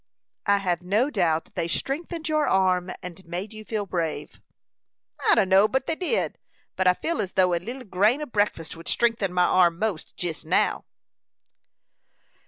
"I have no doubt they strengthened your arm, and made you feel brave." "I dunno but they did; but I feel as though a leetle grain o' breakfast would strengthen my arm most jest now."